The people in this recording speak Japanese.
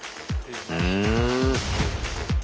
うん。